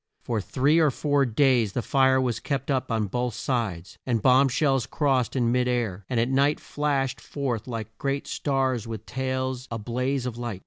For three or four days the fire was kept up on both sides, and bomb shells crossed in mid air, and at night flashed forth like great stars with tails a blaze of light.